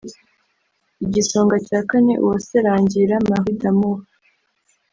Igisonga cya Kane Uwase Rangira Marie D’Amour